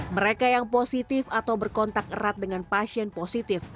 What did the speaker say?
mereka yang positif atau berkontak erat dengan pasien positif